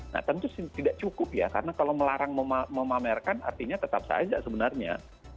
nah tentu tidak cukup ya karena kalau melarang memamerkan artinya tetap saja sebenarnya